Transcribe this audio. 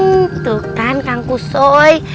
hmm tuh kan kang kusoy